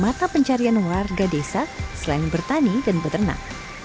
salah satu mata pencarian warga desa selain bertani dan berenang